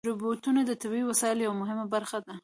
روبوټونه د طبي وسایلو یوه مهمه برخه ده.